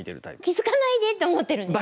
「気付かないで」って思ってるんですね。